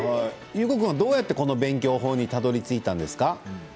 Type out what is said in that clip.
どうやって、この勉強法にたどりついたんですか？